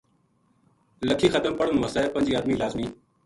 لَکھی ختم پڑھن وس پنجی ادمی لازمی